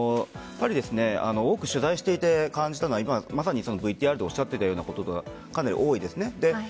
多く取材していて感じたのはまさにＶＴＲでおっしゃっていたようなことがかなり多いです。